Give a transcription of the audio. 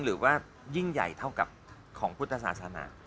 หรือว่ายิ่งใหญ่เท่ากับของพุทธศาสนา